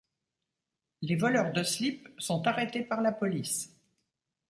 Les voleurs de slips sont arrêtés par la police.